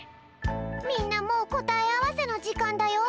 みんなもうこたえあわせのじかんだよ。